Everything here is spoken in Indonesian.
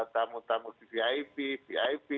tamu tamu di vip